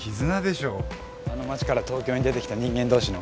あの町から東京に出てきた人間同士の。